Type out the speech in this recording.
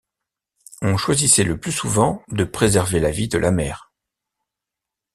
On choisissait le plus souvent de préserver la vie de la mère.